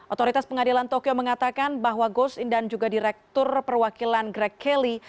otoritas pengadilan tokyo mengatakan bahwa ghost in dan juga direktur perwakilan greg kelly